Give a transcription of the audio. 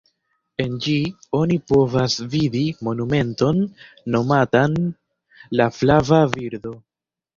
En ĝi, oni povas vidi monumenton nomatan “La flava birdo”.